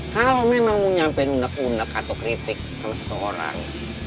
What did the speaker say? kalau memang mau nyampein unek unek atau kritik sama seseorang